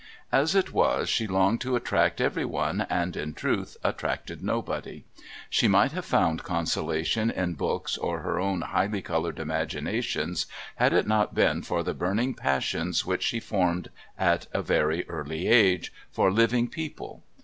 As it was, she longed to attract everyone, and, in truth, attracted nobody. She might have found consolation in books or her own highly coloured imaginations had it not been for the burning passions which she formed, at a very early age, for living people.